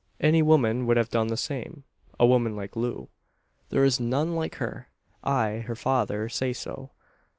Any woman would have done the same a woman like Loo." "There is none like her. I, her father, say so.